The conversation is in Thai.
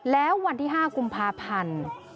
แล้ววันที่๕กุมภาพันธ์